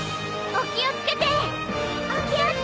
お気を付けて！